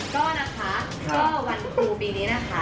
ก็นะคะก็วันครูปีนี้นะคะ